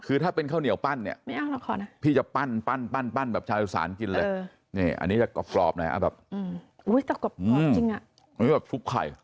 คือถ้าเป็นข้าวเหนียวปั้นเนี่ยพี่จะปั้นแบบชาวโดยสารกินเลยอันนี้จะกรอบนะอันนี้แบบชุบไข่